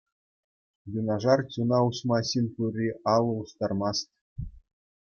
Юнашар чуна уҫма ҫын пурри алӑ устармасть.